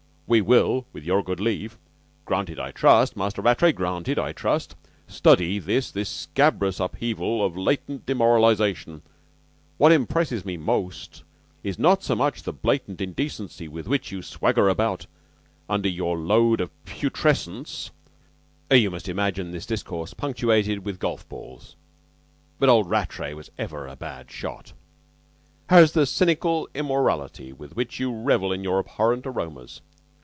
We will, with your good leave granted, I trust, Master Rattray, granted, I trust study this this scabrous upheaval of latent demoralization. What impresses me most is not so much the blatant indecency with which you swagger abroad under your load of putrescence" (you must imagine this discourse punctuated with golf balls, but old Rattray was ever a bad shot) "as the cynical immorality with which you revel in your abhorrent aromas.